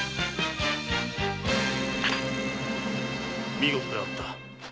見事であった。